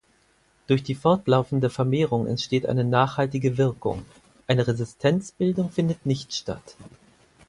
Durch die fortlaufende Vermehrung entsteht eine nachhaltige Wirkung, eine Resistenzbildung findet nicht statt.